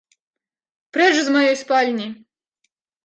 Прэч з маёй спальні!